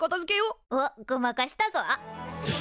おっごまかしたぞ。